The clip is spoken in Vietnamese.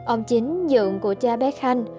ông chính dựng của cha bé khanh